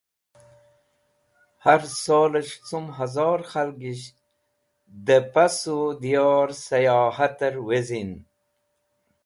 Har Slol es̃h Cum Hozor Khalgisht de Passu Diyor Sayohater Wezin